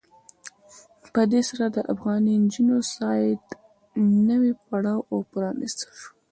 په دې سره د افغاني جینو سایډ نوی پړاو پرانستل شو.